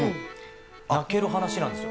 泣ける話なんですよ。